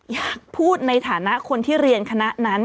อยากพูดในฐานะคนที่เรียนคณะนั้น